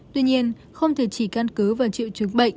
tuy nhiên không thể chỉ căn cứ và triệu chứng bệnh